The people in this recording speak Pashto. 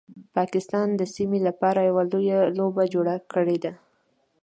پاکستان د سیمې لپاره یو لویه لوبه جوړه کړیده